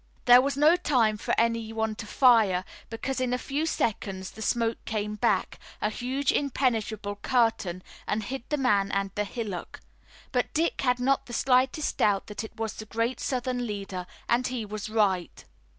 There was no time for anyone to fire, because in a few seconds the smoke came back, a huge, impenetrable curtain, and hid the man and the hillock. But Dick had not the slightest doubt that it was the great Southern leader, and he was right.